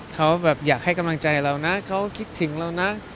เขาแบบอยากให้กำลังใจเรานะเขาคิดถึงเรานะ